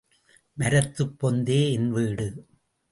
மரத்துப் பொந்தே envied.